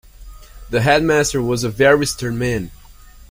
The headmaster was a very stern man